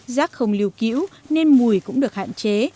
rác không lưu cữu nên mùi cũng được hạn chế